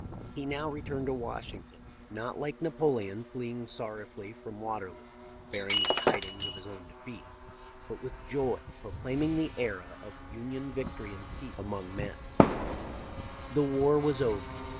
He now returned to Washington, not like Napoleon fleeing sorrowfully from Waterloo bearing the tidings of his own defeat, but with joy proclaiming the era of Union victory and peace 562 THE LIFE OF LINCOLN. among men. " The war was over.